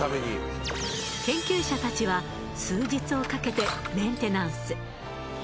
研究者たちは数日をかけてメンテナンス。